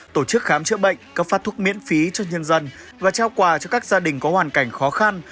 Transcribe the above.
tổ chức khám chữa bệnh cấp phát thuốc miễn phí cho nhân dân và trao quà cho các gia đình có hoàn cảnh khó khăn